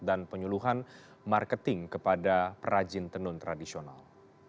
dan penyuluhan marketing kepada perajin tenun tradisional